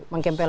singkat aja bu